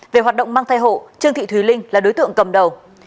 về hoạt động mang thai hộ trương thị thùy linh là đối tượng cầm đầu